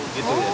oh gitu ya